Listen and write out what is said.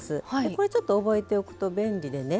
これちょっと覚えておくと便利でね